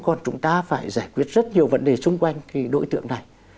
còn chúng ta phải giải quyết rất nhiều vấn đề xung quanh cái đối tượng này